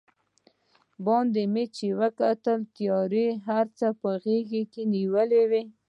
باندې چې مې وکتل، تیارې هر څه په غېږ کې نیولي و.